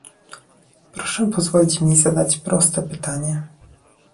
Proszę pozwolić mi zadać proste pytanie